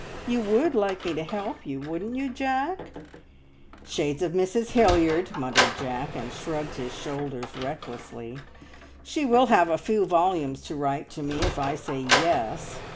You would like me to help you, wouldn't you, Jack?" "Shades of Mrs Hilliard!" muttered Jack, and shrugged his shoulders recklessly. "She will have a few volumes to write to me if I say `Yes!'